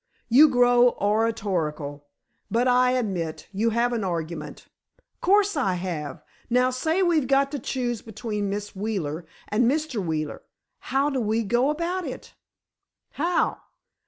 "You grow oratorical! But, I admit, you have an argument." "'Course I have. Now, say we've got to choose between Miss Wheeler and Mr. Wheeler, how do we go about it?" "How?"